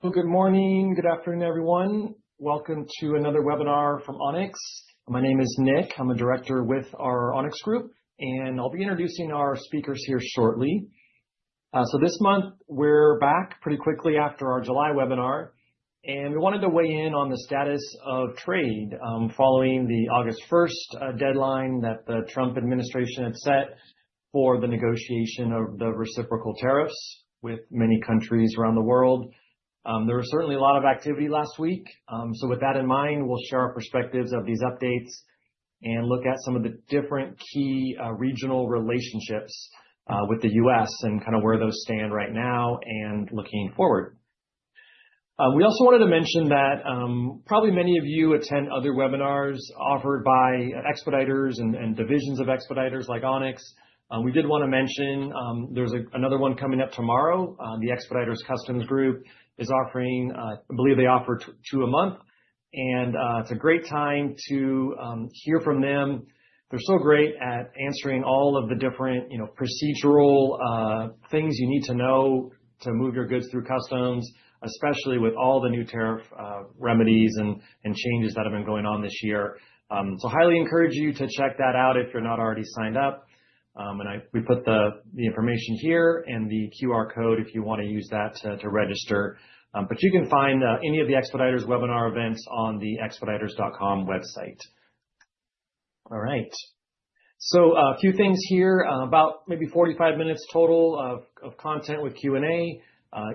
Good morning. Good afternoon, everyone. Welcome to another webinar from Onyx. My name is Nick. I'm a Director with our Onyx Group and I'll be introducing our speakers here shortly. This month we're back pretty quickly after our July webinar and we wanted to weigh in on the status of trade following the August 1 deadline that the Trump administration had set for the negotiation of the reciprocal tariffs with many countries around the world. There was certainly a lot of activity last week. With that in mind, we'll share our perspectives of these updates and look at some of the different key regional relationships with the U.S. and kind of where those stand right now. Looking forward, we also wanted to mention that probably many of you attend other webinars offered by Expeditors and divisions of Expeditors like Onyx. We did want to mention there's another one coming up tomorrow on the Expeditors Customs Group is offering, I believe they offer two a month and it's a great time to hear from them. They're so great at answering all of the different procedural things you need to know to move your goods through customs, especially with all the new tariff remedies and changes that have been going on this year. I highly encourage you to check that out if you're not already signed up. We put the information here and the QR code if you want to use that to register. You can find any of the Expeditors webinar events on the expeditors.com website. A few things here. About maybe 45 minutes total of content with Q&A.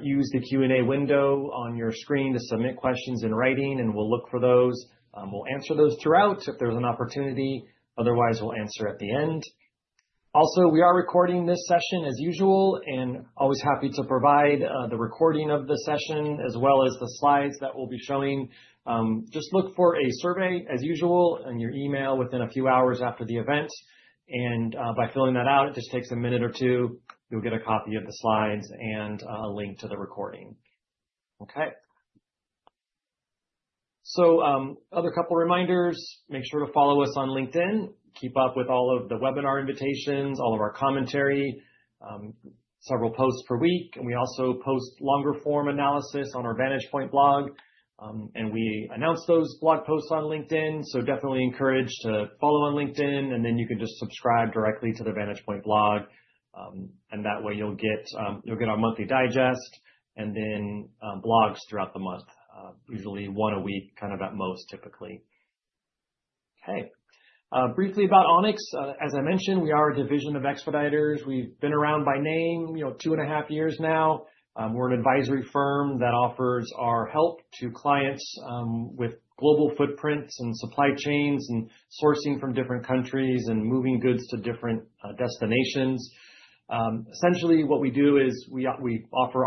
Use the Q&A window on your screen to submit questions in writing and we'll look for those. We'll answer those throughout if there's an opportunity. Otherwise, we'll answer at the end. Also, we are recording this session as usual and always happy to provide the recording of the session as well as the slides that we'll be showing. Just look for a survey as usual in your email within a few hours after the events. By filling that out, it just takes a minute or two, you'll get a copy of the slides and a link to the recording. Okay. A couple reminders, make sure to follow us on LinkedIn. Keep up with all of the webinar invitations, all of our commentary, several posts per week. We also post longer form analysis on our VantagePoint blog. We announce those blog posts on LinkedIn. Definitely encourage to follow on LinkedIn and then you can just subscribe directly to the VantagePoint blog and that way you'll get our monthly digest and then blogs throughout the month. Usually one a week, kind of at most typically. Briefly, about Onyx. As I mentioned, we are a division of Expeditors. We've been around by name, you know, two and a half years now. We're an advisory firm that offers our help to clients with global footprints and supply chains and sourcing from different countries and moving goods to different destinations. Essentially what we do is we offer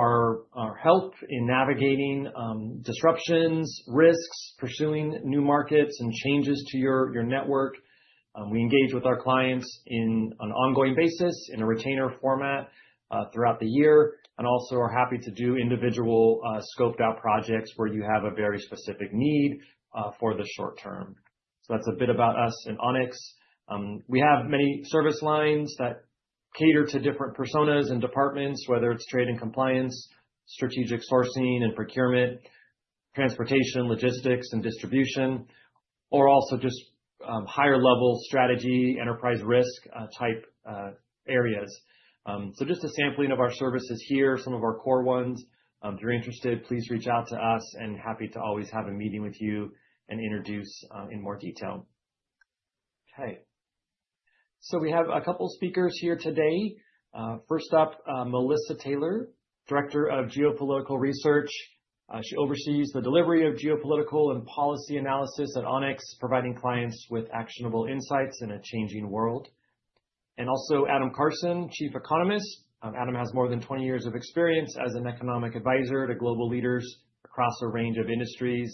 our help in navigating disruptions, risks, pursuing new markets and changes to your network. We engage with our clients on an ongoing basis in a retainer format throughout the year and also are happy to do individual scoped out projects where you have a very specific need for the short term. That's a bit about us. In Onyx, we have many service lines that cater to different personas and departments. Whether it's Trade and Compliance, Strategic Sourcing and Procurement, Transportation, Logistics and Distribution, or also just higher level strategy, enterprise risk type areas. Just a sampling of our services here, some of our core ones. If you're interested, please reach out to us and happy to always have a meeting with you and introduce in more detail. We have a couple speakers here today. First up, Melissa Taylor, Director of Geopolitical Research. She oversees the delivery of geopolitical and policy analysis at Onyx, providing clients with actionable insights in a changing world. Also Adam Karson, Chief Economist. Adam has more than 20 years of experience as an economic advisor to global leaders across a range of industries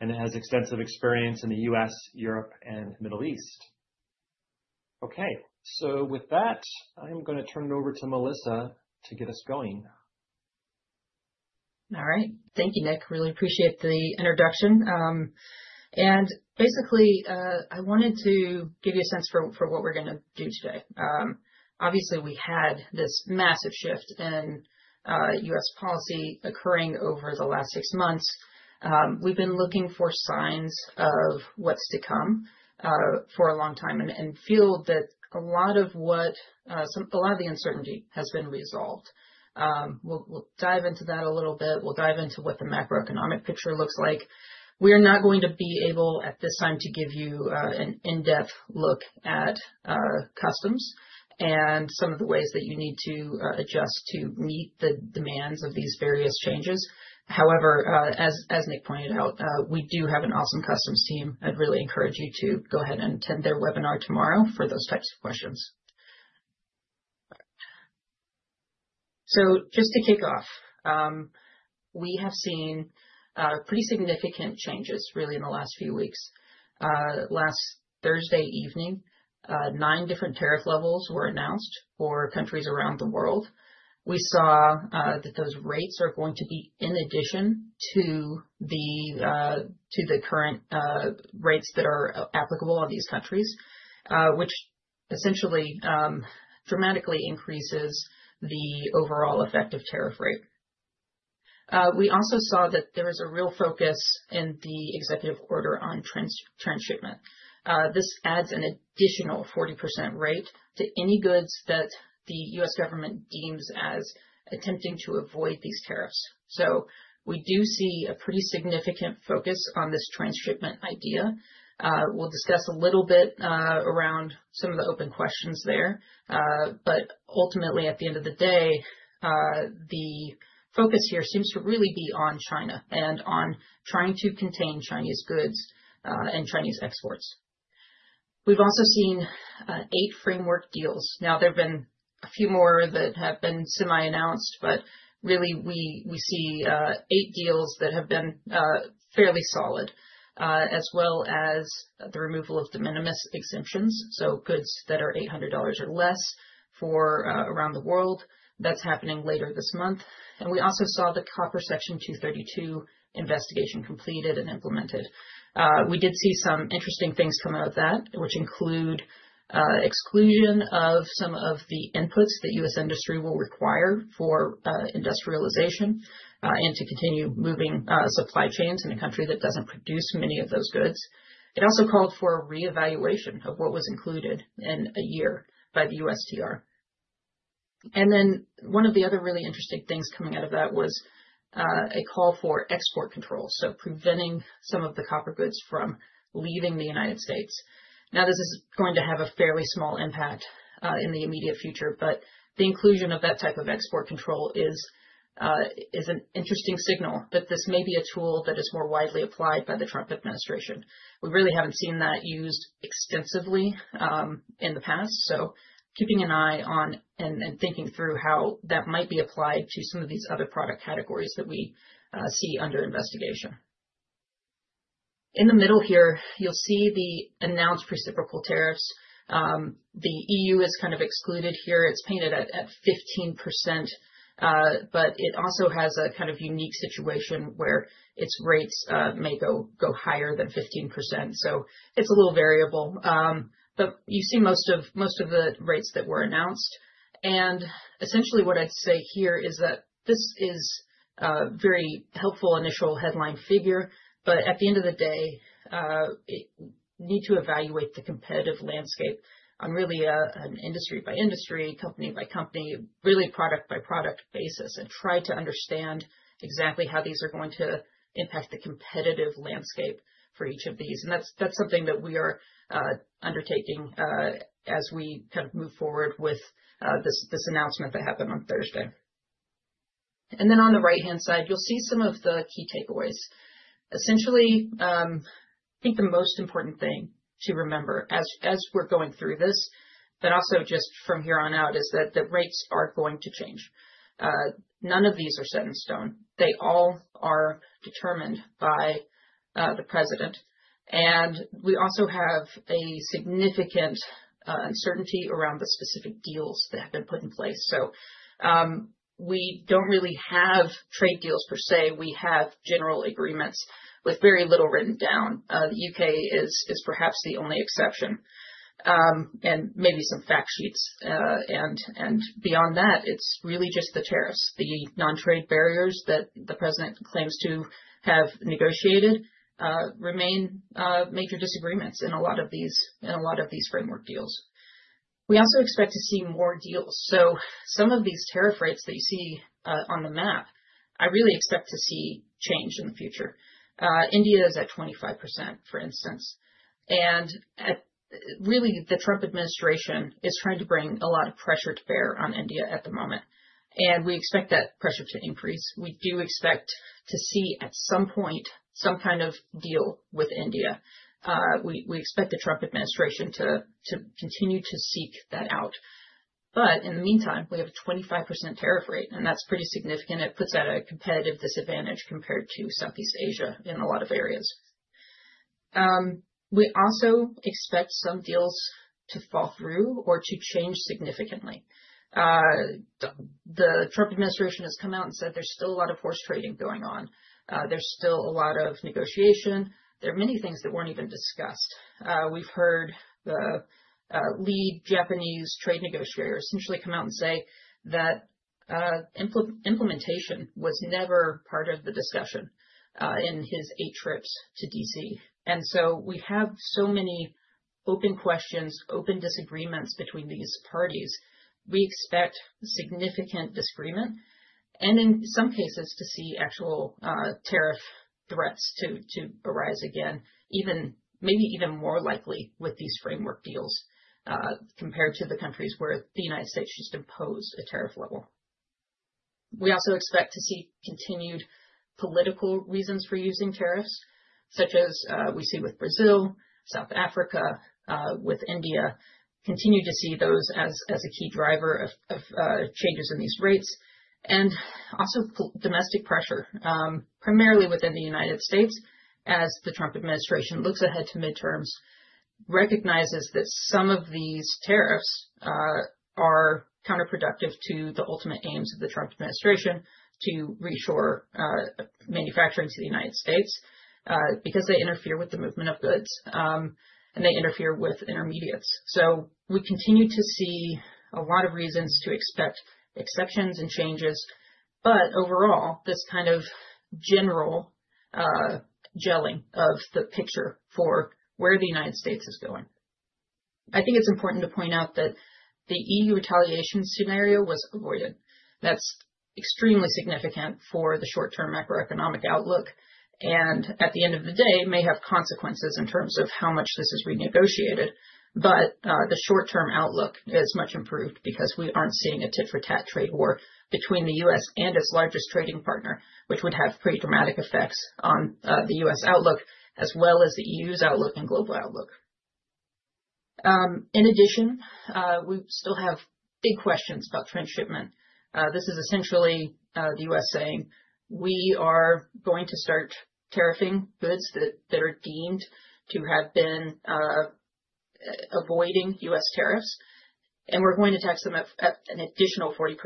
and has extensive experience in the U.S., Europe and Middle East. With that, I'm going to turn it over to Melissa to get us going. All right, thank you, Nick. Really appreciate the introduction, and basically I wanted to give you a sense for what we're going to do today. Obviously, we had this massive shift in U.S. policy occurring over the last six months. We've been looking for signs of what's to come for a long time and feel that a lot of the uncertainty has been resolved. We'll dive into that a little bit. We'll dive into what the macroeconomic picture looks like. We are not going to be able at this time to give you an in-depth look at customs and some of the ways that you need to adjust to meet the demands of these various changes. However, as Nick pointed out, we do have an awesome customs team. I'd really encourage you to go ahead and attend their webinar tomorrow for those types of questions. Just to kick off, we have seen pretty significant changes really in the last few weeks. Last Thursday evening, nine different tariff levels were announced for countries around the world. We saw that those rates are going to be in addition to the current rates that are applicable on these countries, which essentially dramatically increases the overall effective tariff rate. We also saw that there is a real focus in the executive order on transshipment. This adds an additional 40% rate to any goods that the U.S. government deems as attempting to avoid these tariffs. We do see a pretty significant focus on this transshipment idea. We'll discuss a little bit around some of the open questions there. Ultimately, at the end of the day, the focus here seems to really be on China and on trying to contain Chinese goods and Chinese exports. We've also seen eight framework deals. There have been a few more that have been semi-announced, but really we see eight deals that have been fairly solid, as well as the removal of de minimis exemptions. Goods that are $800 or less for around the world that's happening later this month. We also saw the Section 232 investigation completed and implemented. We did see some interesting things come out of that, which include exclusion of some of the inputs that U.S. industry will require for industrialization and to continue moving supply chains in a country that doesn't produce many of those goods. It also called for a reevaluation of what was included in a year by the USTR. One of the other really interesting things coming out of that was a call for export control. Preventing some of the copper goods from leaving the United States is going to have a fairly small impact in the immediate future. The inclusion of that type of export control is an interesting signal that this may be a tool that is more widely applied by the Trump administration. We really haven't seen that used extensively in the past. Keeping an eye on and thinking through how that might be applied to some of these other product categories that we see under investigation is important. In the middle here, you'll see the announced reciprocal tariffs. The European Union is kind of excluded here. It's painted at 15%, but it also has a kind of unique situation where its rates may go higher than 15%. It's a little variable, but you see most of the rates that were announced. Essentially, what I'd say here is that this is a very helpful initial headline figure, but at the end of the day, you need to evaluate the competitive landscape on really an industry by industry, company by company, really product by product basis and try to understand exactly how these are going to impact the competitive landscape for each of these. That's something that we are undertaking as we move forward with this announcement that happened on Thursday. On the right hand side, you'll see some of the key takeaways. Essentially, I think the most important thing to remember as we're going through this, but also just from here on out, is that the rates are going to change. None of these are set in stone. They all are determined by the President. We also have significant uncertainty around the specific deals that have been put in place. We don't really have trade deals per se. We have general agreements with very little written down. The United Kingdom is perhaps the only exception and maybe some fact sheets. Beyond that, it's really just the tariffs. The non trade barriers that the President claims to have negotiated remain major disagreements in a lot of these framework deals. We also expect to see more deals. Some of these tariff rates that you see on the map, I really expect to see change in the future. India is at 25% for instance. The Trump administration is trying to bring a lot of pressure to bear on India at the moment and we expect that pressure to increase. We do expect to see at some point some kind of deal with India. We expect the Trump administration to continue to seek that out. In the meantime, we have a 25% tariff rate and that's pretty significant. It puts at a competitive disadvantage compared to Southeast Asia in a lot of areas. We also expect some deals to fall through or to change significantly. The Trump administration has come out and said there's still a lot of horse trading going on, there's still a lot of negotiation. There are many things that weren't even discussed. We've heard the lead Japanese trade negotiators essentially come out and say that implementation was never part of the discussion in his eight trips to D.C., and we have so many open questions, open disagreements between these parties. We expect significant disagreement and in some cases to see actual tariff threats to arise again, maybe even more likely with these framework deals compared to the countries where the United States just imposed a tariff level. We also expect to see continued political reasons for using tariffs, such as we see with Brazil, South Africa, with India, continue to see those as a key driver of changes in these rates and also domestic pressure, primarily within the United States. As the Trump administration looks ahead to midterms, recognizes that some of these tariffs are counterproductive to the ultimate aims of the Trump administration, to reassure manufacturing to the United States because they interfere with the movement of goods and they interfere with intermediates. We continue to see a lot of reasons to expect exceptions and changes. Overall, this kind of general gelling of the picture for where the United States is going, I think it's important to point out that the EU retaliation scenario was avoided. That's extremely significant for the short-term macroeconomic outlook and at the end of the day may have consequences in terms of how much this is renegotiated. The short-term outlook is much improved because we aren't seeing a tit-for-tat trade war between the U.S. and its largest trading partner, which would have pretty dramatic effects on the U.S. outlook as well as the EU's outlook and global outlook. In addition, we still have big questions about transshipment. This is essentially the U.S. saying we are going to start tariffing goods that are deemed to have been avoiding U.S. tariffs and we're going to tax them an additional 40%.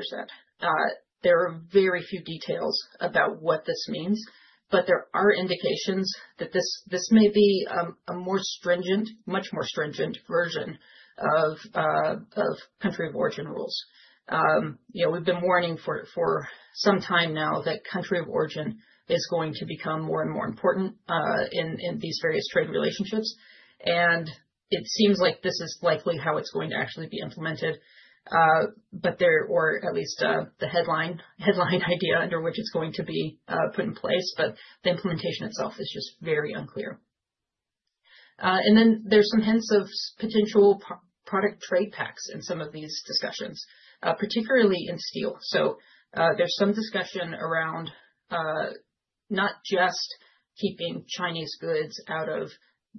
There are very few details about what this means, but there are indications that this may be a more stringent, much more stringent version of country of origin rules. We've been warning for some time now that country of origin is going to become more and more important in these various trade relationships. It seems like this is likely how it's going to actually be implemented, or at least the headline idea under which it's going to be put in place. The implementation itself is just very unclear. There are some hints of potential product trade pacts in some of these discussions, particularly in steel. There is some discussion around not just keeping Chinese goods out of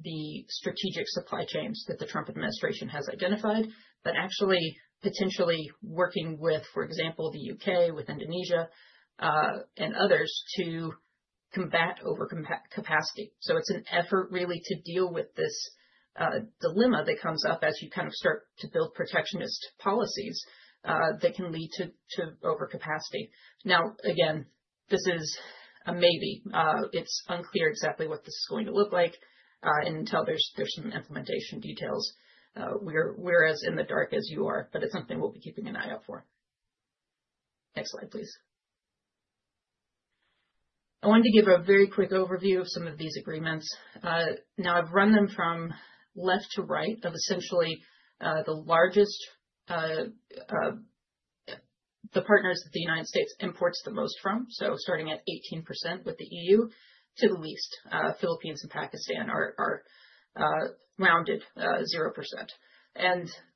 the strategic supply chains that the Trump administration has identified, but actually potentially working with, for example, the U.K., with Indonesia, and others to combat overcapacity. It's an effort really to deal with this dilemma that comes up as you kind of start to build protectionist policies that can lead to overcapacity. Now, again, this is a maybe. It's unclear exactly what this is going to look like. Until there's some implementation details, we're as in the dark as you are. It's something we'll be keeping an eye out for. Next slide, please. I wanted to give a very quick overview of some of these agreements. I've run them from left to right of essentially the largest, the partners that the United States imports the most from. Starting at 18% with the EU to the least, Philippines and Pakistan are around 0%.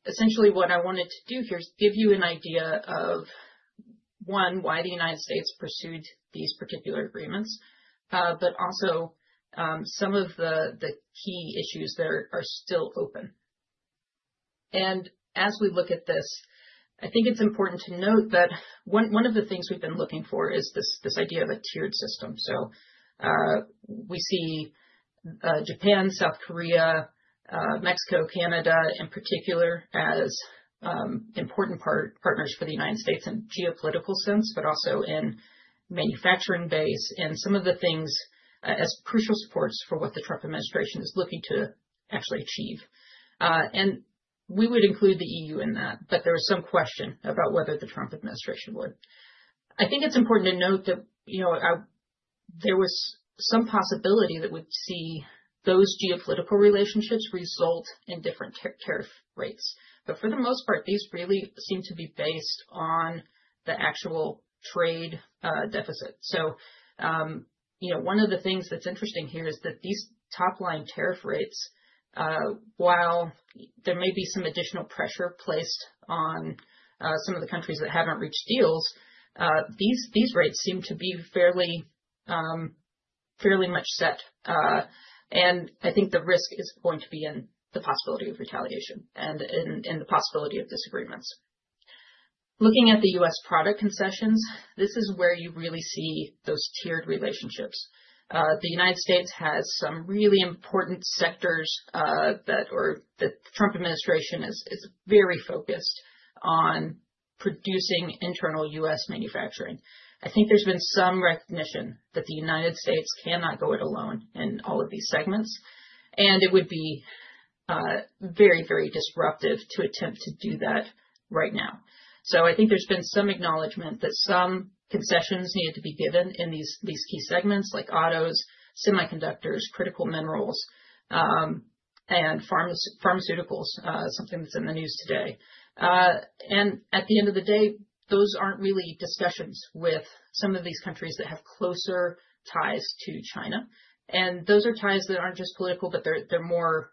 Essentially what I wanted to do here is give you an idea of one, why the United States pursued these particular agreements, but also some of the key issues that are still open. As we look at this, I think it's important to note that one of the things we've been looking for is this idea of a tiered system. We see Japan, South Korea, Mexico, Canada in particular as important partners for the United States in a geopolitical sense, but also in manufacturing base and some of the things as crucial supports for what the Trump administration is looking to actually achieve. We would include the EU in that. There was some question about whether the Trump administration would. I think it's important to note that, you know, there was some possibility that we'd see those geopolitical relationships result in different tariff rates. For the most part, these really seem to be based on the actual trade deficit. One of the things that's interesting here is that these top line tariff rates, while there may be some additional pressure placed on some of the countries that haven't reached deals, these rates seem to be fairly much set. I think the risk is going to be in the possibility of retaliation and the possibility of disagreements. Looking at the U.S. product concessions, this is where you really see those tiered relationships. The United States has some really important sectors. The Trump administration is very focused on producing internal U.S. manufacturing. I think there's been some recognition that the United States cannot go it alone in all of these segments. It would be very, very disruptive to attempt to do that right now. I think there's been some acknowledgement that some concessions needed to be given in these key segments like autos, semiconductors, critical minerals, and pharmaceuticals, something that's in the news today. At the end of the day, those aren't really discussions with some of these countries that have closer ties to China. Those are ties that aren't just political, but they're more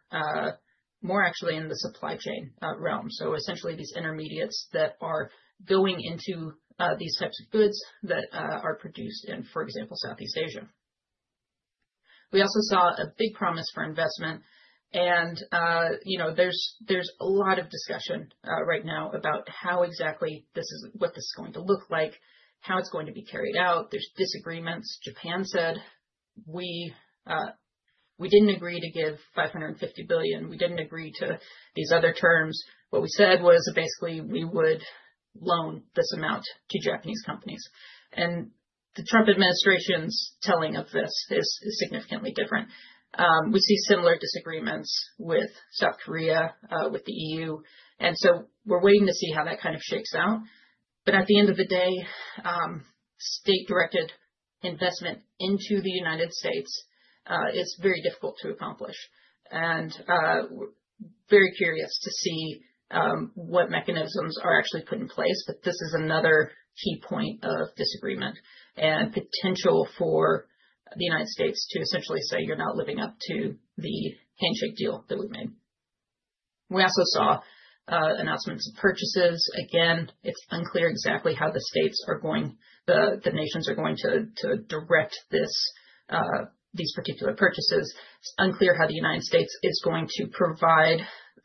actually in the supply chain realm. Essentially, these intermediates that are going into these types of goods that are produced in, for example, Southeast Asia. We also saw a big promise for investment. There's a lot of discussion right now about how exactly this is going to look, how it's going to be carried out. There's disagreements. Japan said we didn't agree to give $550 billion. We didn't agree to these other terms. What we said was basically we would loan this amount to Japanese companies. The Trump administration's telling of this is significantly different. We see similar disagreements with South Korea, with the EU, and we're waiting to see how that kind of shakes out. At the end of the day, state directed investment into the United States is very difficult to accomplish and very curious to see what mechanisms are actually put in place. This is another key point of disagreement and potential for the United States to essentially say, you're not living up to the handshake deal that we made. We also saw announcements of purchases. Again, it's unclear exactly how the states are going, the nations are going to direct these particular purchases. It's unclear how the United States is going to provide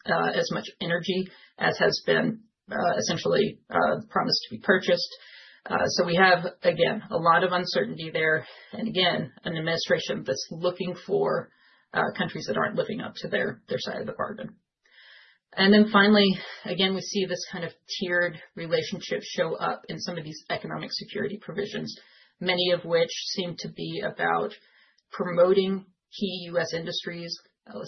as much energy as has been essentially promised to be purchased. We have, again, a lot of uncertainty there and again, an administration that's looking for countries that aren't living up to their side of the pardon. Finally, we see this kind of tiered relationship show up in some of these economic security provisions, many of which seem to be about promoting key U.S. industries.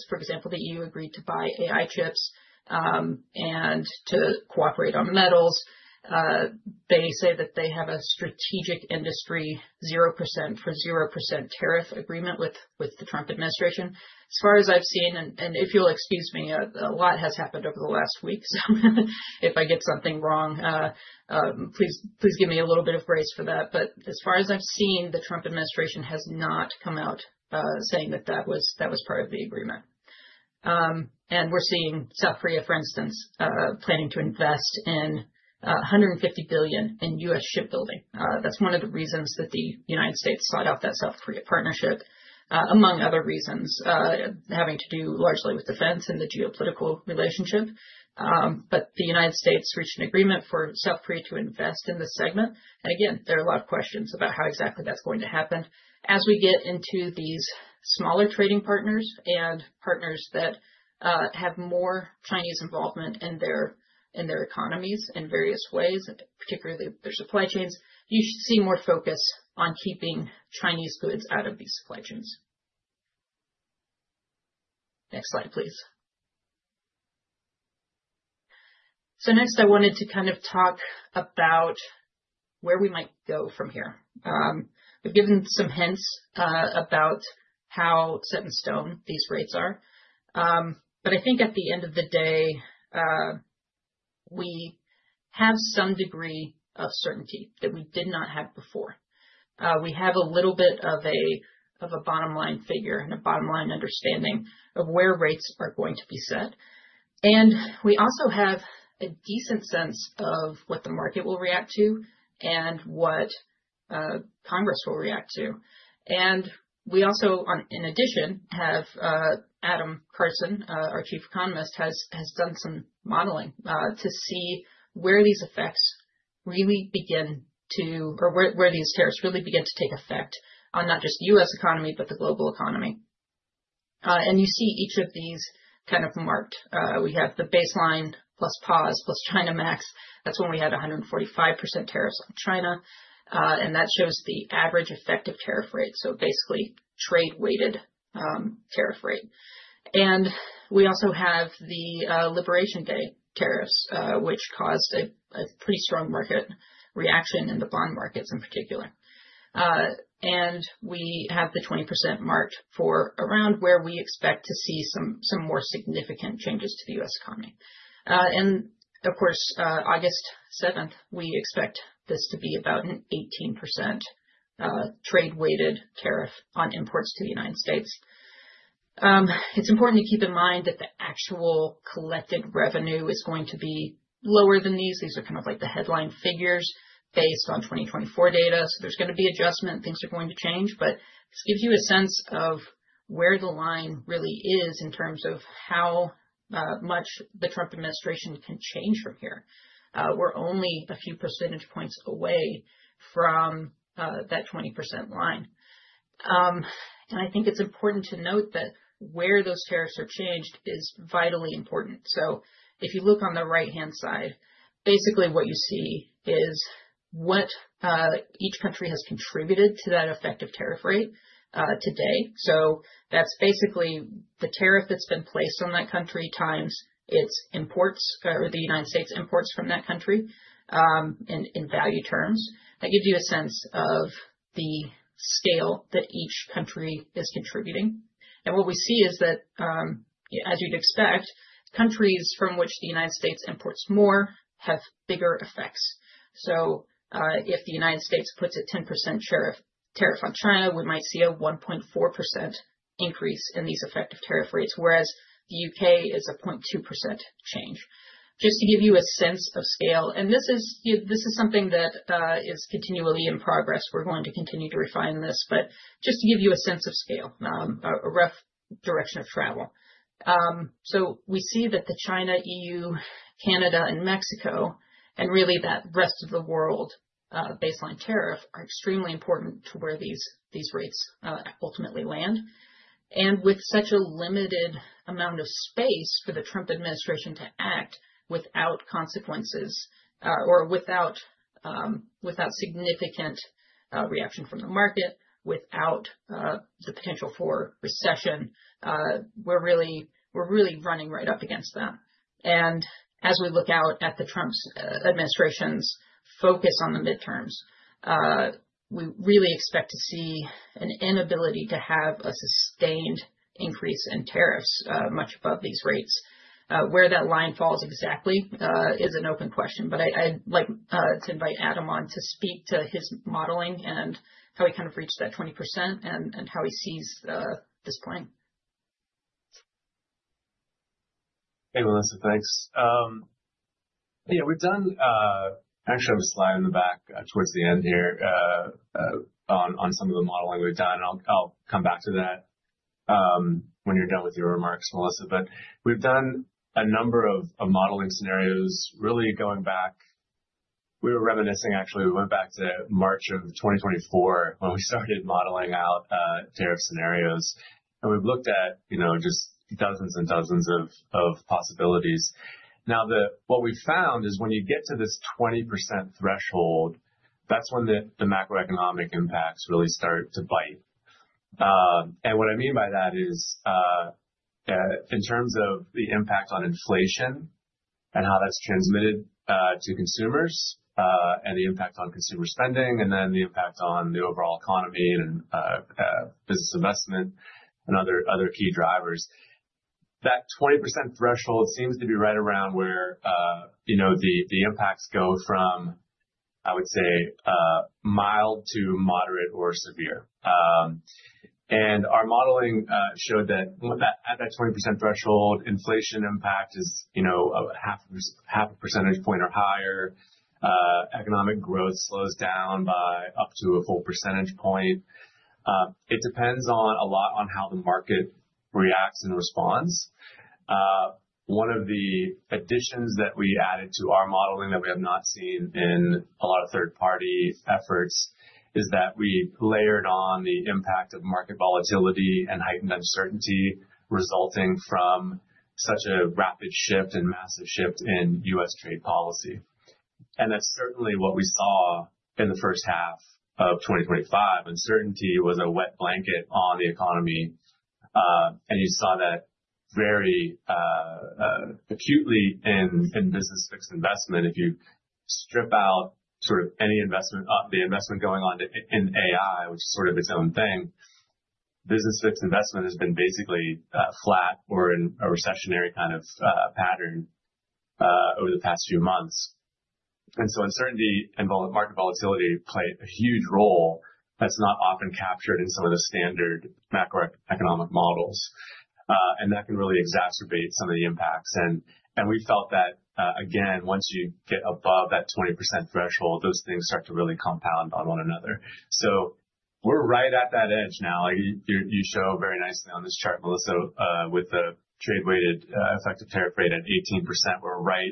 For example, the European Union agreed to buy AI chips and to cooperate on metals. They say that they have a strategic industry, 0% for 0% tariff agreement with the Trump administration. As far as I've seen, and if you'll excuse me, a lot has happened over the last week. If I get something wrong, please give me a little bit of grace for that. As far as I've seen, the Trump administration has not come out saying that that was part of the agreement. We're seeing South Korea, for instance, planning to invest $150 billion in U.S. shipbuilding. That's one of the reasons that the United States sought out that South Korea partnership, among other reasons, having to do largely with defense and the geopolitical relationship. The United States reached an agreement for South Korea to invest in the segment. There are a lot of questions about how exactly that's going to happen. As we get into these smaller trading partners and partners that have more Chinese involvement in their economies in various ways, particularly their supply chains, you should see more focus on keeping Chinese goods out of these supply chains. Next slide, please. Next, I wanted to kind of talk about where we might go from here, but give some hints about how set in stone these rates are. I think at the end of the day, we have some degree of certainty that we did not have before. We have a little bit of a bottom line figure and a bottom line understanding of where rates are going to be set. We also have a decent sense of what the market will react to and what Congress will react to. In addition, Adam Karson, our Chief Economist, has done some modeling to see where these effects really begin to, or where these tariffs really begin to take effect on not just the U.S. economy, but the global economy. You see each of these kind of marked. We have the baseline plus pause plus China Max. That's when we had 145% tariffs on China. That shows the average effective tariff rate, so basically trade-weighted tariff rate. We also have the Liberation Day tariffs, which caused a pretty strong market reaction in the bond markets in particular. We have the 20% mark for around where we expect to see some more significant changes to the U.S. economy. Of course, August 7th, we expect this to be about an 18% trade-weighted tariff on imports to the United States. It's important to keep in mind that the actual collected revenue is going to be lower than these. These are kind of like the headline figures based on 2024 data. There is going to be adjustment, things are going to change, but it gives you a sense of where the line really is in terms of how much the Trump administration can change from here. We're only a few percentage points away from that 20% line. I think it's important to note that where those tariffs have changed is vitally important. If you look on the right-hand side, basically what you see is what each country has contributed to that effective tariff rate today. That's basically the tariff that's been placed on that country times its imports, the United States imports from that country. In value terms, that gives you a sense of the scale that each country is contributing. What we see is that, as you'd expect, countries from which the United States imports more have bigger effects. If the United States puts a 10% tariff on China, we might see a 1.4% increase in these effective tariff rates, whereas the U.K. is a 0.2% change. Just to give you a sense of scale, and this is something that is continually in progress, we're going to continue to refine this. Just to give you a sense of scale, a rough direction of travel. We see that China, the EU, Canada, and Mexico, and really that rest of the world baseline tariff, are extremely important to where these rates ultimately land. With such a limited amount of space for the Trump administration to act without consequences or without significant reaction from the market, without the potential for recession, we're really running right up against that. As we look out at the Trump administration's focus on the midterms, we really expect to see an inability to have a sustained increase in tariffs much above these rates. Where that line falls in the same exactly is an open question. I'd like to invite Adam on to speak to his modeling and how he kind of reached that 20% and how he sees this point. Hey, Melissa, thanks. Yeah, we actually have a slide in the back towards the end here on some of the modeling we've done. I'll come back to that when you're done with your remarks, Melissa. We've done a number of modeling scenarios really going back, we were reminiscing, actually we went back to March of 2024 when we started modeling out tariff scenarios. We've looked at just dozens and dozens of possibilities. What we found is when you get to this 20% threshold, that's when the macroeconomic impacts really start to bite. What I mean by that is in terms of the impact on inflation and how that's transmitted to consumers and the impact on consumer spending and then the impact on the overall economy and business investment and other key drivers, that 20% threshold seems to be right around where the impacts go from, I would say, mild to moderate or severe. Our modeling showed that at that 20% threshold, inflation impact is half a percentage point or higher. Economic growth slows down by up to a full percentage point. It depends a lot on how the market reacts and responds. One of the additions that we added to our modeling that we have not seen in a lot of third party efforts is that we layered on the impact of market volatility and heightened uncertainty resulting from such a rapid shift and massive shift in U.S. trade policy. That's certainly what we saw in the first half of 2025. Uncertainty was a wet blanket on the economy. You saw that very acutely in business fixed investment. If you strip out any investment, the investment going on in AI, which is sort of its own thing, business fixed investment has been basically flat or in a recessionary kind of pattern over the past few months. Uncertainty and market volatility played a huge role in that, not often captured in some of the standard macroeconomic models. That can really exacerbate some of the impacts. We felt that again, once you get above that 20% threshold, those things start to really compound on one another. We're right at that edge now. You show very nicely on this chart, Melissa, with the trade-weighted effective tariff rate at 18%.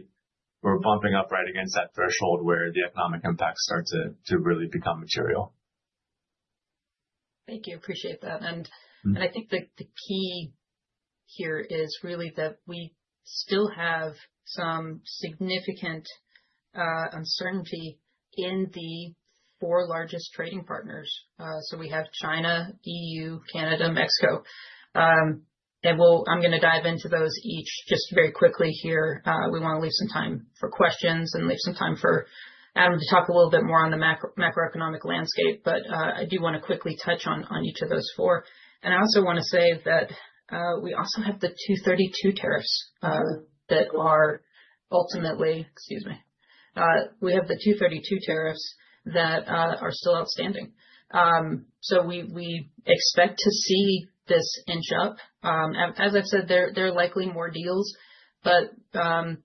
We're bumping up right against that threshold where the economic impacts start to really become material. Thank you, appreciate that. I think the key here is really that we still have some significant uncertainty in the four largest trading partners. We have China, EU, Canada, Mexico, and I'm going to dive into those each just very quickly here. We want to leave some time for questions and leave some time for Adam to talk a little bit more on the macroeconomic landscape. I do want to quickly touch on each of those four. I also want to say that we also have the Section 232 tariffs that are still outstanding. We expect to see this inch up. As I said, there are likely more deals, but the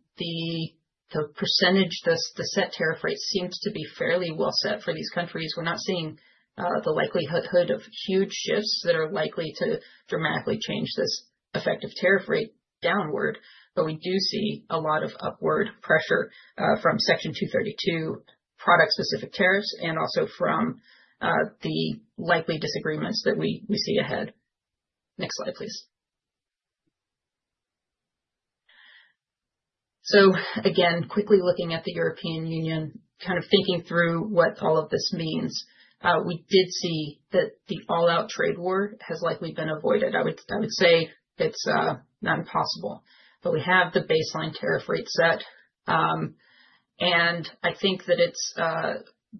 percentage, the set tariff rate seems to be fairly well set for these countries. We're not seeing the likelihood of huge shifts that are likely to dramatically change this effective tariff rate downward. We do see a lot of upward pressure from Section 232 product specific tariffs and also from the likely disagreements that we see ahead. Next slide please. Again, quickly looking at the European Union, kind of thinking through what all of this means, we did see that the all-out trade war has likely been avoided. I would say it's not impossible, but we have the baseline tariff rate set and I think that it's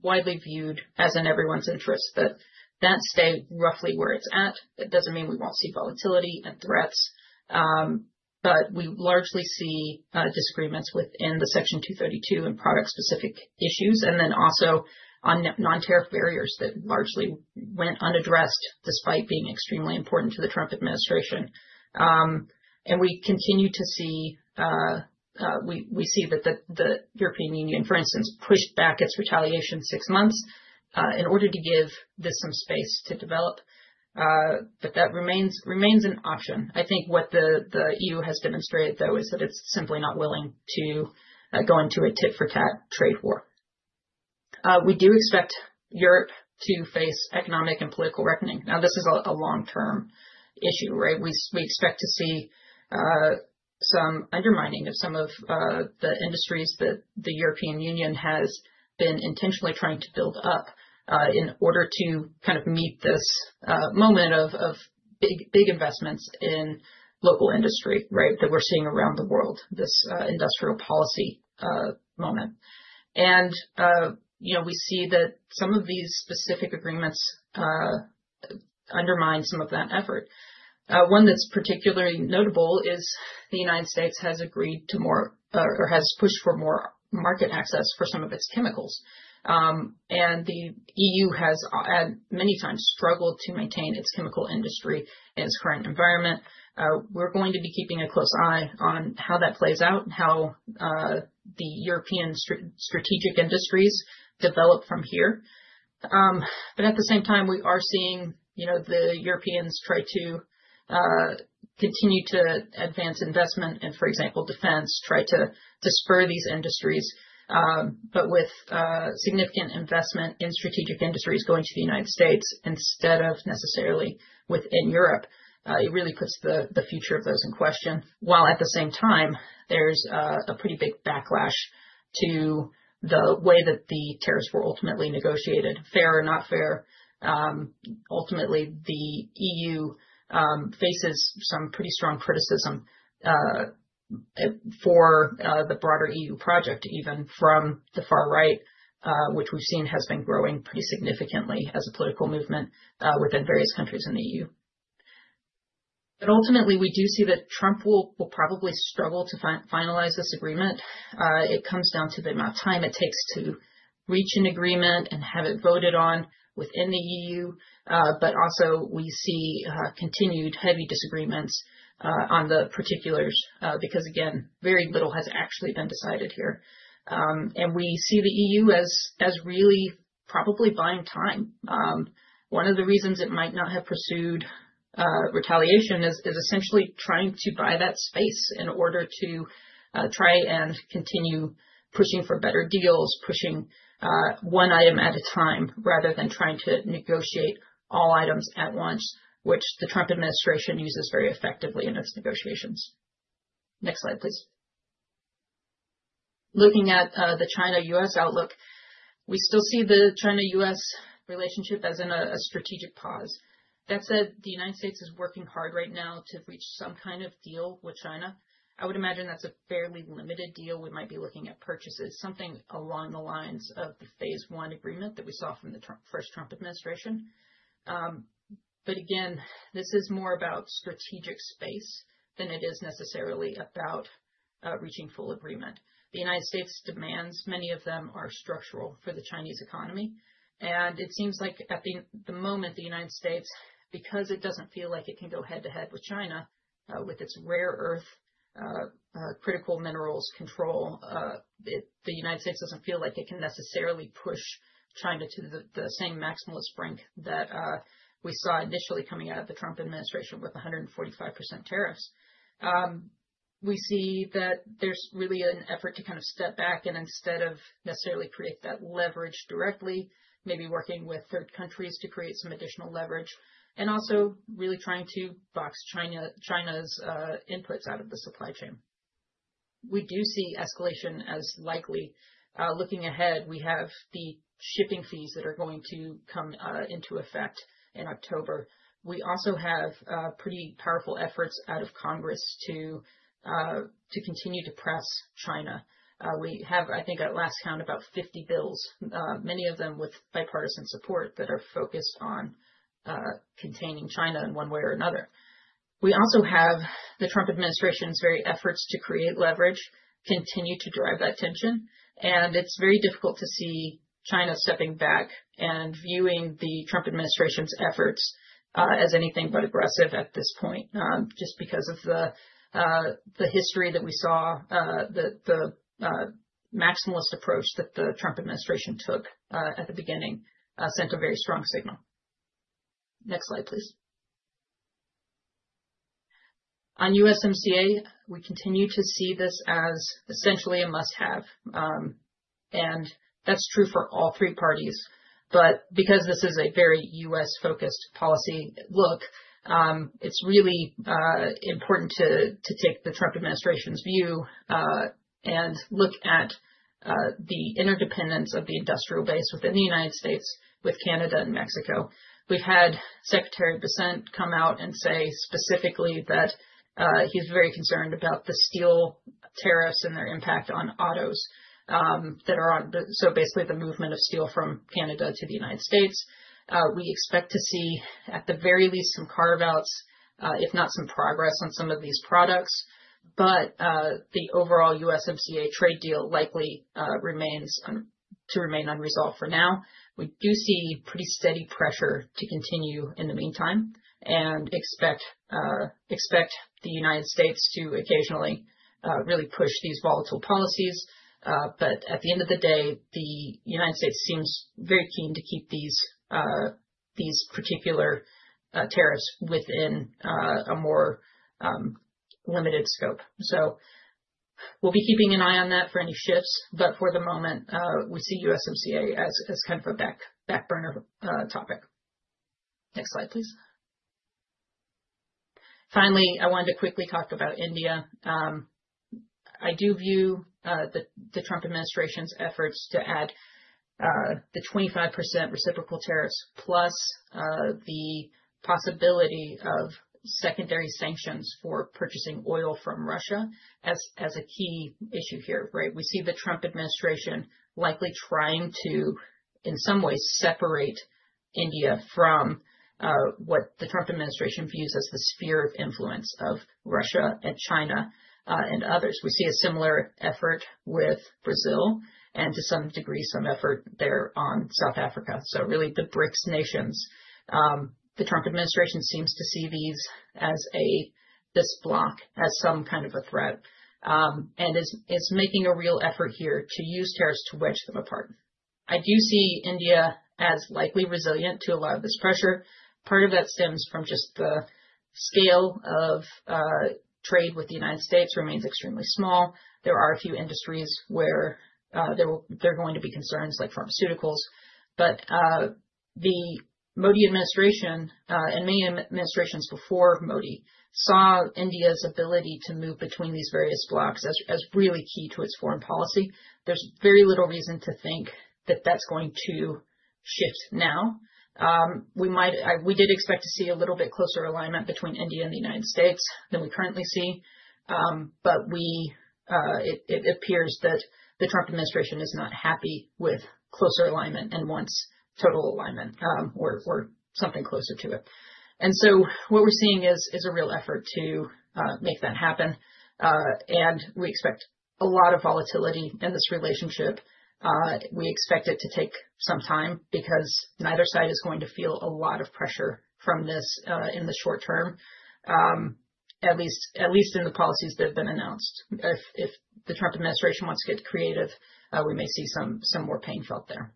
widely viewed as in everyone's interest that that stay roughly where it's at. It doesn't mean we won't see volatility and threats, but we largely see disagreements within the Section 232 and product specific issues. Also on non-tariff barriers that largely went unaddressed despite being extremely important to the Trump administration. We continue to see that the European Union, for instance, pushed back its retaliation six months in order to give this some space to develop, but that remains an option. I think what the EU has demonstrated though is that it's simply not willing to go into a tit-for-tat trade war. We do expect Europe to face economic and political reckoning. This is a long-term issue. We expect to see some undermining of some of the industries that the European Union has been intentionally trying to build up in order to kind of meet this moment of big investments in local industry. Right. That we're seeing around the world, this industrial policy moment. We see that some of these specific agreements undermine some of that effort. One that's particularly notable is the United States has agreed to more or has pushed for more market access for some of its chemicals. The European Union has many times struggled to maintain its chemical industry and its current environment. We're going to be keeping a close eye on how that plays out and how the European strategic industries develop from here. At the same time, we are seeing the Europeans try to continue to advance investment and, for example, defense, try to disperse these industries. With significant investment in strategic industries going to the United States instead of necessarily within Europe, it really puts the future of those in question. At the same time, there's a pretty big backlash to the way that the tariffs were ultimately negotiated. Fair or not fair. Ultimately, the EU faces some pretty strong criticism for the broader EU project, even from the far right, which we've seen has been growing pretty significantly as a political movement within various countries in the EU. Ultimately, we do see that Trump will probably struggle to finalize this agreement. It comes down to the amount of time it takes to reach an agreement and have it voted on within the EU. We see continued heavy disagreements on the particulars because, again, very little has actually been decided here. We see the EU as really probably buying time. One of the reasons it might not have pursued retaliation is essentially trying to buy that space in order to try and continue pushing for better deals, pushing one item at a time, rather than trying to negotiate all items at once, which the Trump administration uses very effectively in its negotiations. Next slide, please. Looking at the China-U.S. outlook, we still see the China-U.S. relationship as in a strategic pause. That said, the United States is working hard right now to reach some kind of deal with China. I would imagine that's a fairly limited deal. We might be looking at purchases, something along the lines of the phase one agreement that we saw from the first Trump administration. Again, this is more about strategic space than it is necessarily about reaching full agreement. The United States demands, many of them are structural for the Chinese economy. It seems like at the moment the United States, because it doesn't feel like it can go head to head with China with its rare earth critical minerals control, doesn't feel like it can necessarily push China to the same maximalist brink that we saw initially coming out of the Trump administration with 145% tariffs. We see that there's really an effort to step back and instead of necessarily create that leverage directly, maybe working with third countries to create some additional leverage and also really trying to box China's inputs out of the supply chain. We do see escalation as likely. Looking ahead, we have the shipping fees that are going to come into effect in October. We also have pretty powerful efforts out of Congress to continue to press China. I think at last count about 50 bills, many of them with bipartisan support, are focused on containing China in one way or another. We also have the Trump administration's very efforts to create leverage continue to drive that tension. It's very difficult to see China stepping back and viewing the Trump administration's efforts as anything but aggressive at this point. Just because of the history that we saw, the maximalist approach that the Trump administration took at the beginning sent a very strong signal. Next slide please. On USMCA, we continue to see this as essentially a must-have and that's true for all three parties. Because this is a very U.S.-focused policy, it's really important to take the Trump administration's view and look at the interdependence of the industrial base within the United States with Canada and Mexico. We've had Secretary of Dissent come out and say specifically that he's very concerned about the steel tariffs and their impact on autos, so basically the movement of steel from Canada to the United States. We expect to see at the very least some carve outs, if not some progress on some of these products. The overall USMCA trade deal likely remains unresolved for now. We do see pretty steady pressure to continue in the meantime and expect the United States to occasionally really push these volatile policies. At the end of the day, the United States seems very keen to keep these particular tariffs within a more limited scope. We'll be keeping an eye on that for any shifts. For the moment, we see USMCA as kind of a back burner topic. Next slide please. Finally, I wanted to quickly talk about India. I do view the Trump administration's efforts to add the 25% reciprocal tariffs, plus the possibility of secondary sanctions for purchasing oil from Russia as a key issue here. We see the Trump administration likely trying to in some ways separate India from what the Trump administration views as the sphere of influence of Russia and China and others. We see a similar effort with Brazil and to some degree some effort there on South Africa. The BRICS nations, the Trump administration seems to see these as a, this flock as some kind of a threat and is making a real effort here to use tariffs to wedge them apart. I do see India as likely resilient to a lot of this pressure. Part of that stems from just the scale of trade with the United States remains extremely small. There are a few industries where there are going to be concerns, like pharmaceuticals. The Modi administration and many administrations before Modi saw India's ability to move between these various blocs as really key to its foreign policy. There's very little reason to think that that's going to shift now. We did expect to see a little bit closer alignment between India and the United States than we currently see, but it appears that the Trump administration is not happy with closer alignment and wants total alignment or something closer to it. What we're seeing is a real effort to make that happen. We expect a lot of volatility in this relationship. We expect it to take some time because neither side is going to feel a lot of pressure from this in the short term, at least in the policies that have been announced. If the Trump administration wants to get creative, we may see some more pain felt there.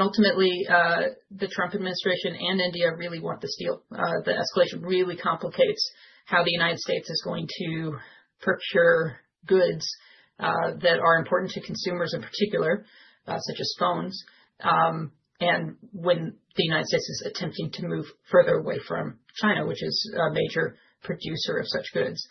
Ultimately, the Trump administration and India really want this deal. The escalation really complicates how the United States is going to procure goods that are important to consumers in particular, such as phones. When the United States is attempting to move further away from China, which is a major producer of such goods,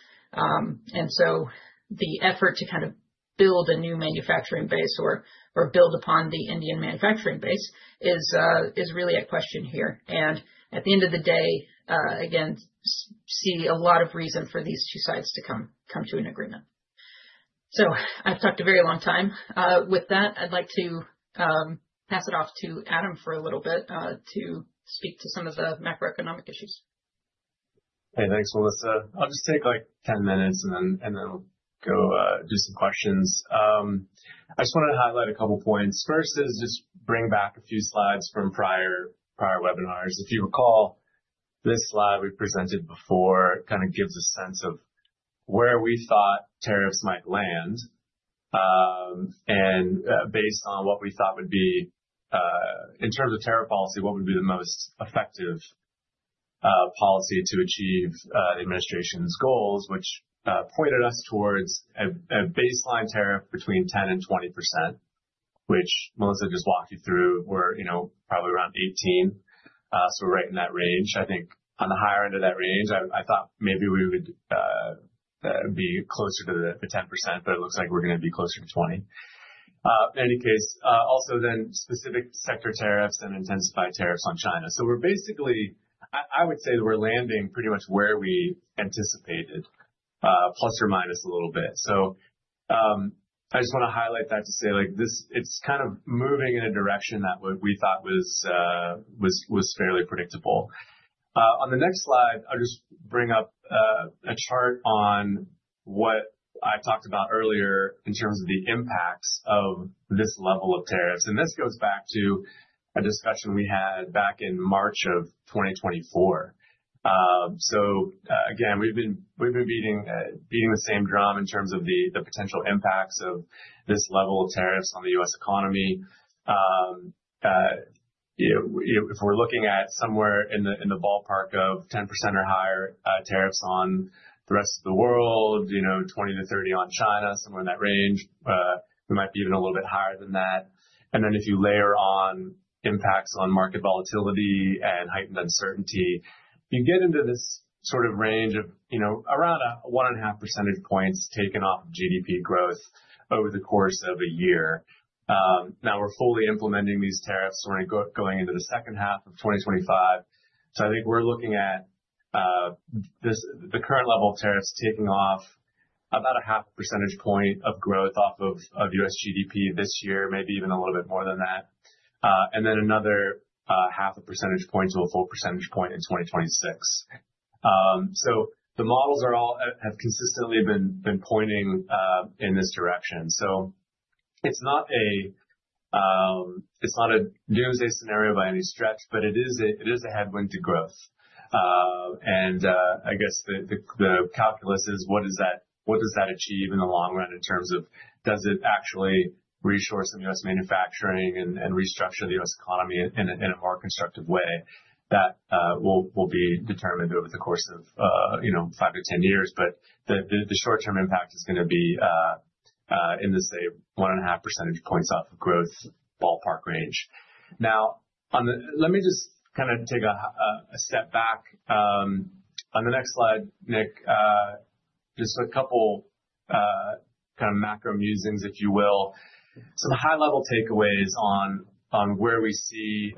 the effort to kind of build a new manufacturing base or build upon the Indian manufacturing base is really a question here. At the end of the day, again, see a lot of reason for these two sides to come to an agreement. I've talked a very long time. With that, I'd like to pass it off to Adam for a little bit to speak to some of the macroeconomic issues. Hey, thanks, Melissa. I'll just take, like, 10 minutes and then go do some questions. I just wanted to highlight a couple points. First is just bring back a few slides from prior webinars. If you recall, this slide we presented before kind of gives a sense of where we thought tariffs might land. Based on what we thought would be in terms of tariff policy, what would be the most effective policy to achieve the administration's goals, which pointed us towards a baseline tariff between 10% and 20%, which Melissa just walked you through. We're probably around 18%, so right in that range. I think on the higher end of that range, I thought maybe we would be closer to the 10%, but it looks like we're going to be closer to 20% in any case. Also, then specific sector tariffs and intensified tariffs on China. We're basically, I would say, we're landing pretty much where we anticipated, plus or minus a little bit. I just want to highlight that to say this, it's kind of moving in a direction that we thought was fairly predictable. On the next slide, I'll just bring up a chart on what I talked about earlier in terms of the impacts of this level of tariffs. This goes back to a discussion we had back in March of 2024. Again, we've been beating the same drum in terms of the potential impacts of this level of tariffs on the U.S. economy. If we're looking at somewhere in the ballpark of 10% or higher tariffs on the rest of the world, 20%-30% on China, somewhere in that range, we might be even a little bit higher than that. If you layer on impacts on market volatility and heightened uncertainty, you get into this sort of range of around 1.5 percentage points taken off GDP growth over the course of a year. Now we're fully implementing these tariffs. We're going into the second half of 2025. I think we're looking at this, the current level of tariffs taking off about a half percentage point of growth off of U.S. GDP this year, maybe even a little bit more than that, and then another half a percentage point to a full percentage point in 2026. The models all have consistently been pointing in this direction. It's not a doomsday scenario by any stretch, but it is a headwind to growth. I guess the calculus is what is that? What does that achieve in the long run in terms of does it actually resource the U.S. manufacturing and restructure the U.S. economy in a hard constructive way? That will be determined over the course of five to 10 years. The short term impact is going to be in this, say, 1.5 percentage points off of gross ballpark range. Now, let me just kind of take a step back on the next slide, Nick, just a couple kind of macro musings, if you will, some high level takeaways on where we see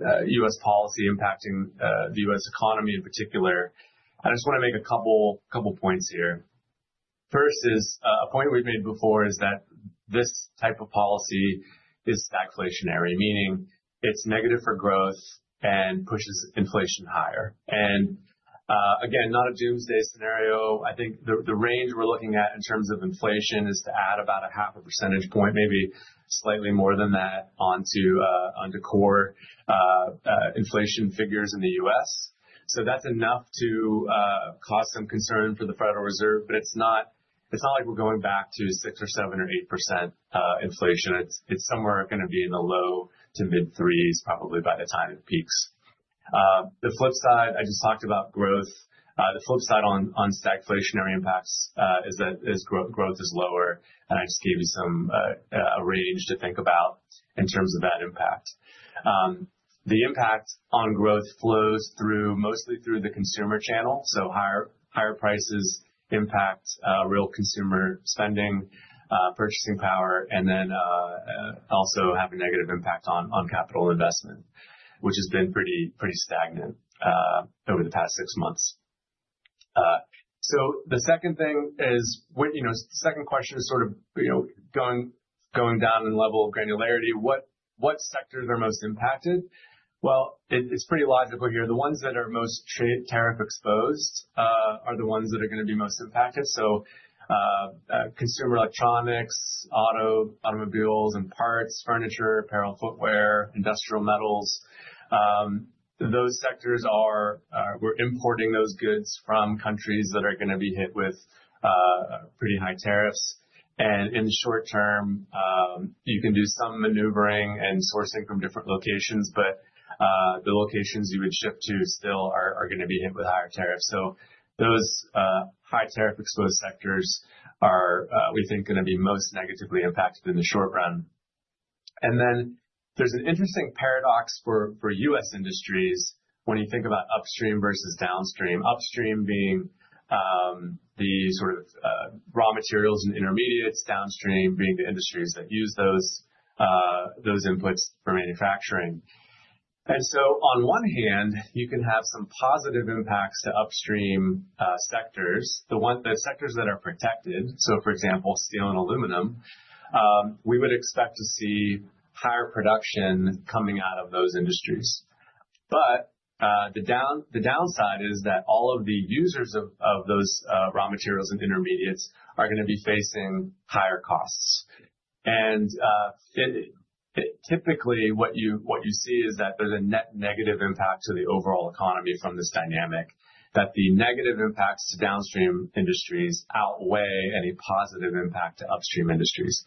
U.S. policy impacting the U.S. economy in particular. I just want to make a couple points here. First is a point we've made before, that this type of policy is stagflationary, meaning it's negative for growth and pushes inflation higher. Again, not a doomsday scenario. I think the range we're looking at in terms of inflation is to add about a half a percentage point, maybe slightly more than that, onto core inflation figures in the U.S. That's enough to cause some concern for the Federal Reserve, but it's not like we're going back to 6% or 7% or 8% inflation. It's somewhere going to be in the low to mid threes, probably by the time it peaks. The flip side, I just talked about growth. The flip side on stagflationary impacts is that this growth is lower. I just gave you a range to think about in terms of that impact. The impact on growth flows through mostly through the consumer channel. Higher prices impact real consumer spending, purchasing power, and then also have a negative impact on capital investment, which has been pretty stagnant over the past six months. The second thing is, second question is sort of going down in level of granularity. What sectors are most impacted? It's pretty logical here. The ones that are most tariff-exposed are the ones that are going to be most impacted. Consumer electronics, automobiles and parts, furniture, apparel, footwear, industrial metals, those sectors are, we're importing those goods from countries that are going to be hit with pretty high tariffs. In the short term you can do some maneuvering and sourcing from different locations, but the locations you would shift to still are going to be hit with higher tariffs. Those high tariff-exposed sectors are, we think, going to be most negatively affected in the short run. There's an interesting paradox for U.S. industries when you think about upstream versus downstream. Upstream being the sort of raw materials and intermediates, downstream being the industries that use those inputs for manufacturing. On one hand, you can have some positive impacts to upstream sectors, the sectors that are protected. For example, steel and aluminum, we would expect to see higher production coming out of those industries. The downside is that all of the users of those raw materials and intermediates are going to be facing higher costs. Typically what you see is that there's a net negative impact to the overall economy from this dynamic, that the negative impacts to downstream industries outweigh any positive impact to upstream industries.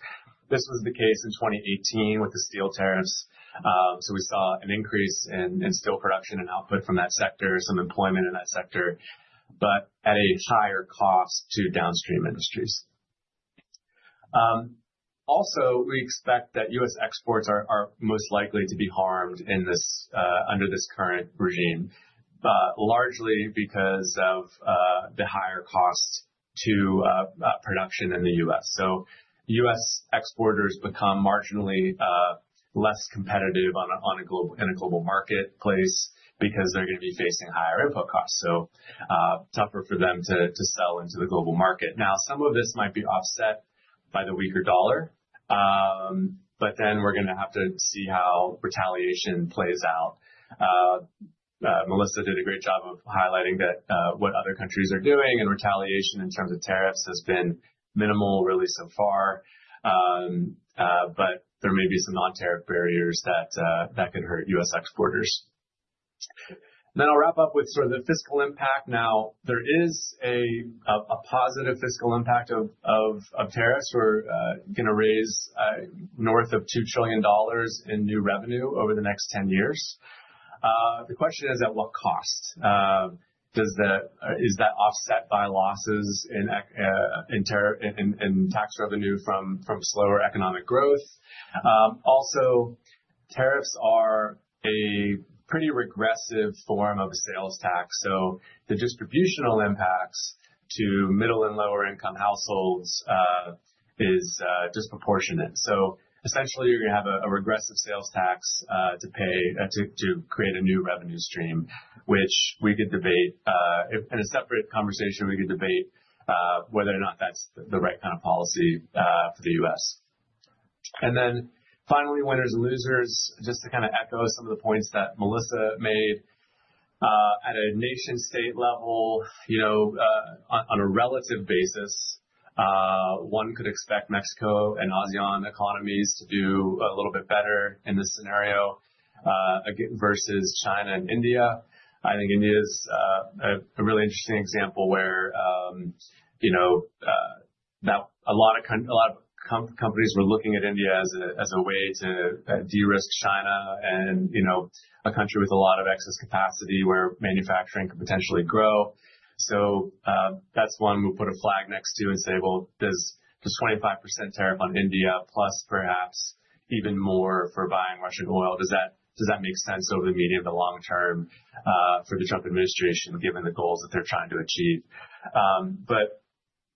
This was the case in 2018 with the steel tariffs. We saw an increase in steel production and output from that sector, some employment in that sector, but at a higher cost to downstream industries. We expect that U.S. exports are most likely to be harmed under this current regime largely because of the higher cost to production in the U.S. U.S. exporters become marginally less competitive in a global marketplace because they're going to be facing higher input costs, so tougher for them to sell into the global market. Some of this might be offset by the weaker dollar. We're going to have to see how retaliation plays out. Melissa did a great job of highlighting that what other countries are doing and retaliation in terms of tariffs has been minimal really so far. There may be some non tariff barriers that can hurt U.S. exporters. I'll wrap up with the fiscal impact. There is a positive fiscal impact of tariffs. We're going to raise north of $2 trillion in new revenue over the next 10 years. The question is at what cost? Is that offset by losses in tax revenue from slower economic growth? Also, tariffs are a pretty regressive form of a sales tax. The distributional impacts to middle and lower income households is disproportionate. Essentially you're going to have a regressive sales tax to pay to create a new revenue stream, which we could debate in a separate conversation. We could debate whether or not that's the right kind of policy for the U.S. Finally, one of the losers, just to echo some of the points that Melissa made at a nation state level, on a relative basis, one could expect Mexico and Asian economies to do a little bit better in this scenario versus China and India. I think India's a really interesting example where you know that a lot of companies were looking at India as a way to de-risk China and you know, a country with a lot of excess capacity where manufacturing could potentially grow. That's one we'll put a flag next to and say, does this 25% tariff on India plus perhaps even more for buying Russian oil, does that make sense over the medium to long term for the Trump administration given the goals that they're trying to achieve.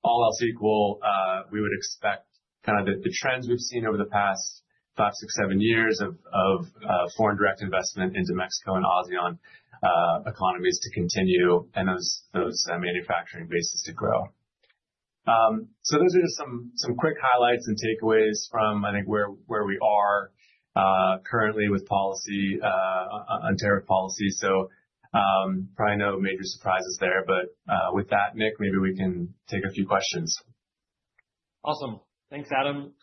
All else equal, we would expect kind of the trend we've seen over the past five, six, seven years of foreign direct investment into Mexico and ASEAN economies to continue and manufacturing bases to grow. Those are just some quick highlights and takeaways from I think where we are currently with policy on tariff policy. Probably no major surprises there. With that Nick, maybe we can take a few questions. Awesome. Thanks, Adam.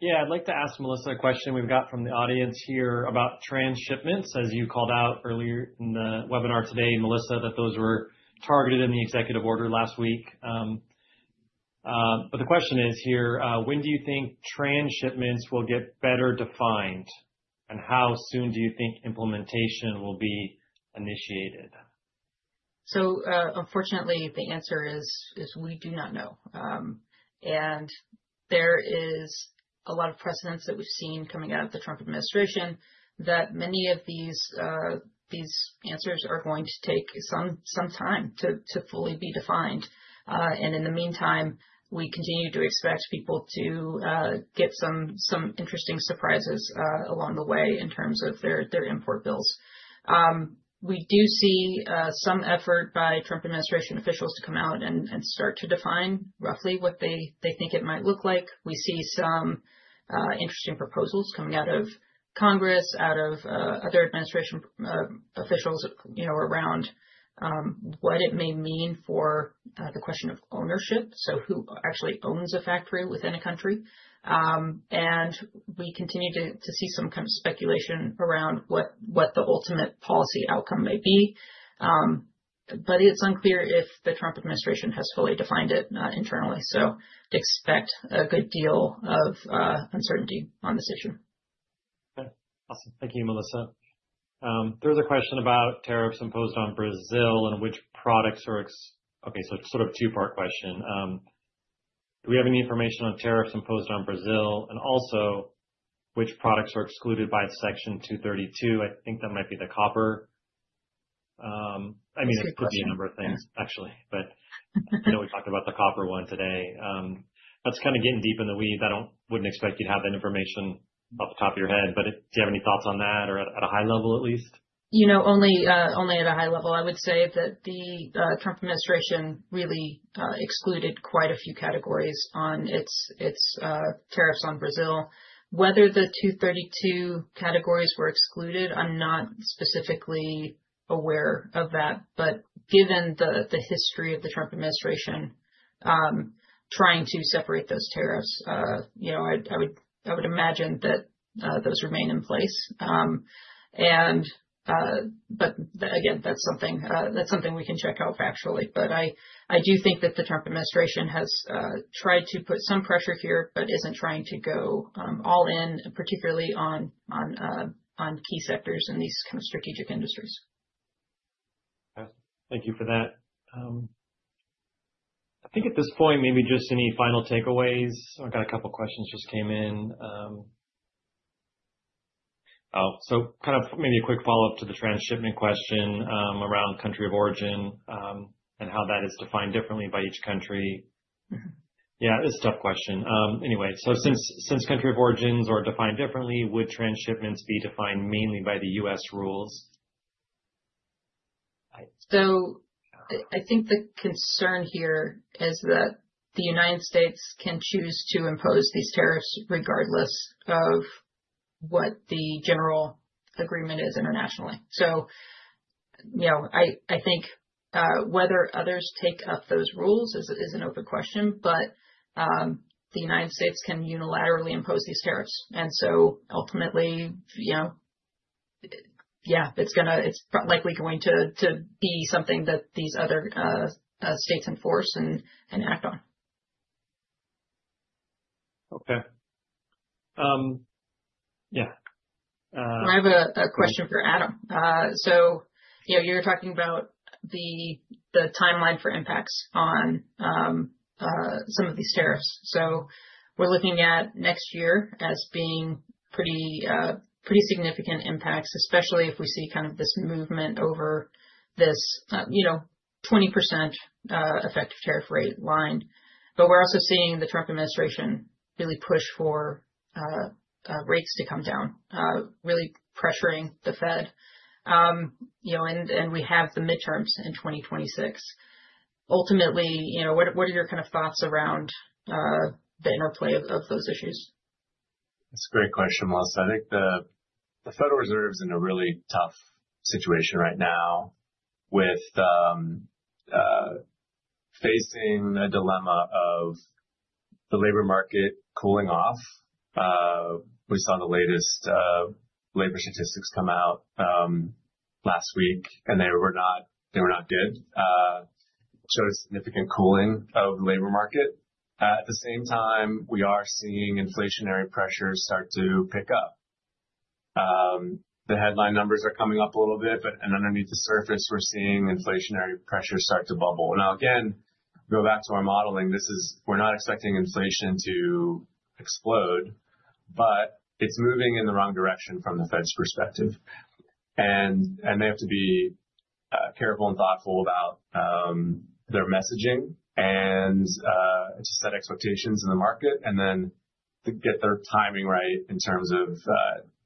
Yeah, I'd like to ask Melissa a question we've got from the audience here about transshipments. As you called out earlier in the webinar today, Melissa, those were targeted in the executive order last week. The question is, when do you think transshipments will get better defined and how soon do you think implementation will be initiated? Unfortunately, the answer is we do not know. There is a lot of precedence that we've seen coming out of the Trump administration that many of these answers are going to take some time to fully be defined. In the meantime, we continue to expect people to get some interesting surprises along the way in terms of their import bills. We do see some effort by Trump administration officials to come out and start to define roughly what they think it might look like. We see some interesting proposals coming out of Congress, out of other administration officials, around what it may mean for the question of ownership, so who actually owns a factory within a country. We continue to see some kind of speculation around what the ultimate policy outcome may be. It's unclear if the Trump administration has fully defined it internally. Expect a good deal of uncertainty on this issue. Awesome. Thank you, Melissa. There's a question about tariffs imposed on Brazil and which products are. Okay, so it's sort of two part questions. Do we have any information on tariffs imposed on Brazil and also which products are excluded by Section 232? I think that might be the copper. I mean, it could be a number of things actually, but we talked about the copper one today. That's kind of getting deep in the weeds. I wouldn't expect you to have that information off the top of your head, but do you have any thoughts on that or at a high level? At least, you know, only at a high level. I would say that the Trump administration really excluded quite a few categories on its tariffs on Brazil. Whether the 232 categories were excluded, I'm not specifically aware of that. Given the history of the Trump administration trying to separate those tariffs, I would imagine that those remain in place. That's something we can check out factually. I do think that the Trump administration has tried to put some pressure here, but isn't trying to go all in, particularly on key sectors in these strategic industries. Thank you for that. I think at this point, maybe just any final takeaways. I got a couple questions just came in. Oh, so kind of maybe a quick follow-up to the transshipment question around country of origin and how that is defined differently by each country. Yeah, it's a tough question. Anyway, since country of origins are defined differently, would transshipments be defined mainly by the U.S. rules? I think the concern here is that the United States can choose to impose these tariffs regardless of what the general agreement is internationally. I think whether others take up those rules is an open question. The United States can unilaterally impose these tariffs. Ultimately, it's likely going to increase, be something that these other states enforce and act on. Okay. I have a question for Adam. You were talking about the timeline for impacts on some of these tariffs. We're looking at next year as being pretty significant impacts, especially if we see kind of this movement over this 20% effective tariff rate line. We're also seeing the Trump administration really push for rates to come down, really pressuring the Fed, and we have the midterms in 2026. Ultimately, what are your kind of thoughts around bitmark play of those issues? That's a great question, Melissa. I think the Federal Reserve's in a really tough situation right now with facing a dilemma of the labor market cooling off. We saw the latest labor statistics come out last week, and they were not good. Showed a significant cooling of the labor market. At the same time, we are seeing inflationary pressures start to pick up. The headline numbers are coming up a little bit, but underneath the surface, we're seeing inflationary pressures start to bubble. Now, again, go back to our modeling. We're not expecting inflation to explode, but it's moving in the wrong direction from the Federal Reserve's perspective. They have to be careful and thoughtful about their messaging and to set expectations in the market and then to get their timing right in terms of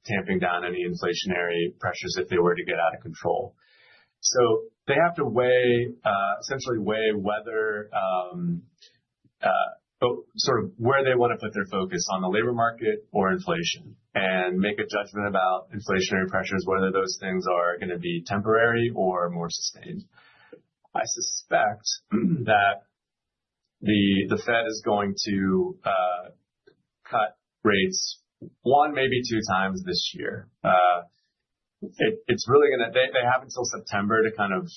tamping down any inflationary pressures if they were to get out of control. They have to weigh, essentially weigh whether sort of where they want to put their focus on the labor market or inflation and make a judgment about inflationary pressures, whether those things are going to be temporary or more sustained. I suspect that the Fed is going to cut rates one, maybe 2x this year. It's really going to, they have until September to kind of,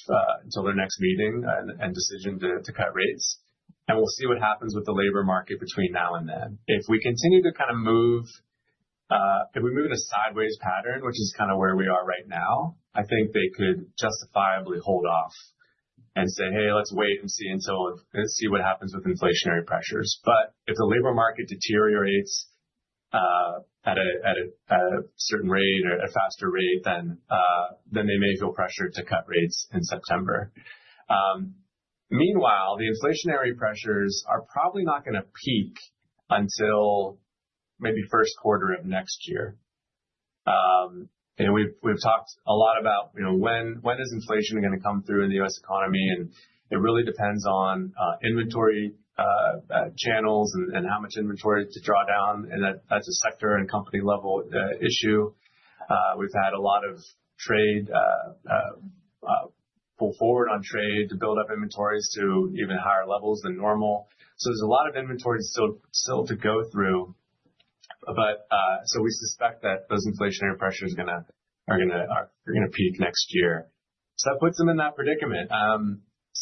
until their next meeting and decision to cut rates. We'll see what happens with the labor market between now and then. If we continue to kind of move, if we move in a sideways pattern, which is kind of where we are right now, I think they could justifiably hold off and say, hey, let's wait and see until, see what happens with inflationary pressures. If the labor market deteriorates at a certain rate or a faster rate, then they may feel pressured to cut rates in September. Meanwhile, the inflationary pressures are probably not going to peak until maybe first quarter of next year. We've talked a lot about, you know, when is inflation going to come through in the U.S. economy? It really depends on inventory channels and how much inventory to draw down and that, that's a sector and company level issue. We've had a lot of trade pull forward on trade to build up inventories to even higher levels than normal. There's a lot of inventory still to go through. We suspect that those inflationary pressures are going to peak next year. That puts them in that predicament.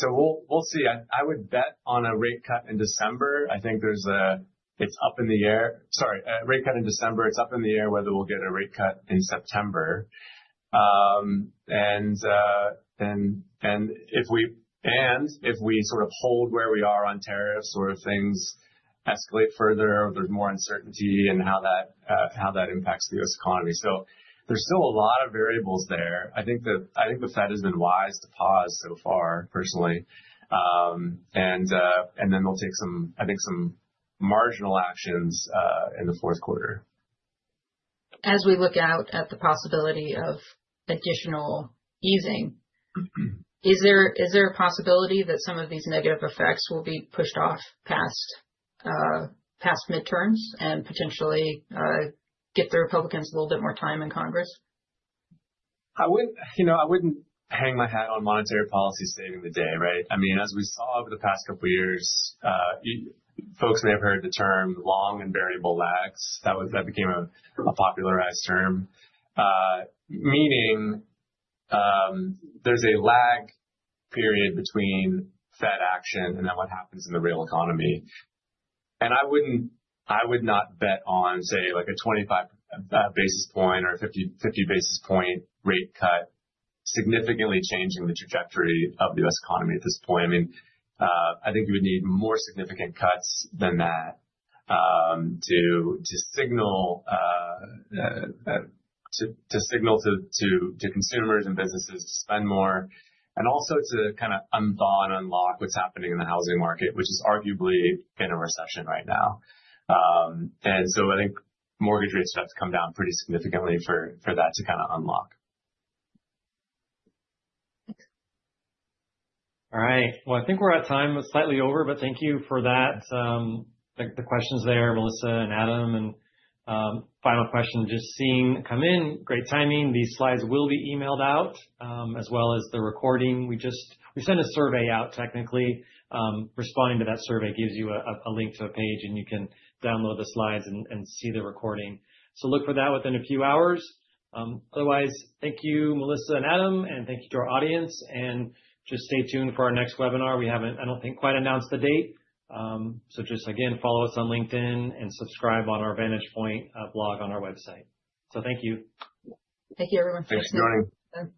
We'll see. I would bet on a rate cut in December. I think there's a, it's up in the air, sorry, rate cut in December. It's up in the air whether we'll get a rate cut in September. If we hold where we are on tariffs or things escalate further, there's more uncertainty and how that impacts the U.S. economy. There's still a lot of variables there. I think the Federal Reserve has been wise to pause so far personally, and then we'll take some, I think, some marginal actions in the fourth quarter. Look out at the possibility of additional easing. Is there a possibility that some of these negative effects will be pushed off past midterms and potentially get the Republicans a little bit more time in Congress? I wouldn't, you know, I wouldn't hang my hat on monetary policy saving the day. Right. I mean, as we saw over the past couple years, folks may have heard the term long and variable lags. That became a popularized term meaning there's a lag period between Federal Reserve action and then what happens in the real economy. I would not bet on, say, like a 25 basis point or 50 basis point rate cut significantly changing the trajectory of the U.S. economy at this point. I mean, I think you would need more significant cuts than that to signal to consumers and businesses to spend more and also to kind of unthaw and unlock what's happening in the housing market, which is arguably in a recession right now. I think mortgage rates have to come down pretty significantly for that to kind of unlock. All right, I think we're at time, slightly over, but thank you for that. The questions there, Melissa and Adam, and final question just seeing come in. Great timing. These slides will be emailed out as well as the recording. We just send a survey out. Technically, responding to that survey gives you a link to a page and you can download the slides and see the recording. Look for that within a few hours. Otherwise, thank you, Melissa and Adam, and thank you to our audience. Just stay tuned for our next webinar. We haven't, I don't think, quite announced the date, so just again, follow us on LinkedIn and subscribe on our VantagePoint blog on our website. Thank you. Thank you, everyone. Thanks for joining.